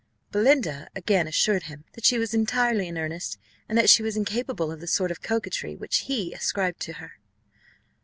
Belinda again assured him that she was entirely in earnest, and that she was incapable of the sort of coquetry which he ascribed to her.